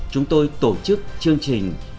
chúng tôi tổ chức chương trình